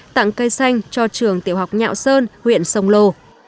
tặng cây xanh cho trường tiểu học nhạo sơn huyện sông lô